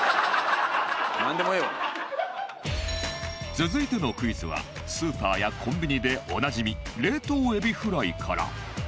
続いてのクイズはスーパーやコンビニでおなじみ冷凍エビフライから